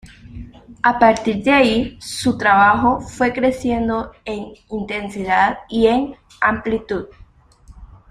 A partir de allí su trabajo fue creciendo en intensidad y en amplitud.